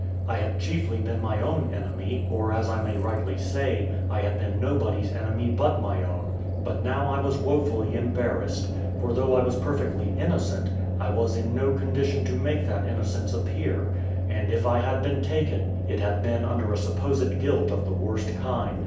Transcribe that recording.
I had chiefly been my own enemy, or, as I may rightly say, I had been nobody's enemy but my own; but now I was woefully embarrassed: for though I was perfectly innocent, I was in no condition to make that innocence appear; and if I had been taken, it had been under a supposed guilt of the worst kind.